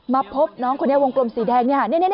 มาพบน้องของเราวงกลมสีแดง